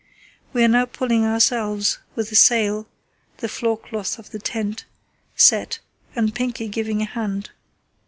We are now pulling ourselves, with the sail (the floor cloth of the tent) set and Pinkey giving a hand.